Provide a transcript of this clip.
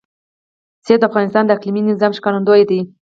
منی د افغانستان د اقلیمي نظام ښکارندوی ده.